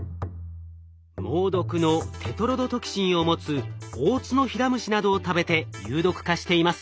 猛毒のテトロドトキシンを持つオオツノヒラムシなどを食べて有毒化しています。